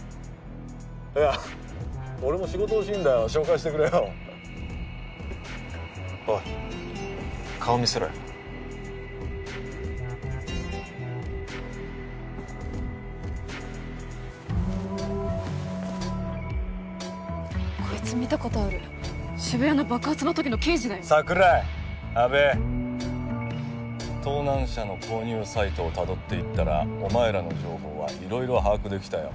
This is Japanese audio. いや俺も仕事欲しいんだよ紹介してくれよおい顔見せろよこいつ見たことある渋谷の爆発のときの刑事だよサクライアベ盗難車の購入サイトをたどっていったらお前らの情報は色々把握できたよ